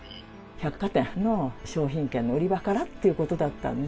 百貨店の商品券の売り場からということだったんで、